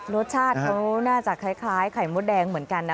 รสชาติเขาน่าจะคล้ายไข่มดแดงเหมือนกันนะ